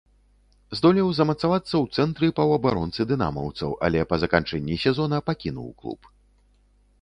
Здолеў замацавацца ў цэнтры паўабаронцы дынамаўцаў, але па заканчэнні сезона пакінуў клуб.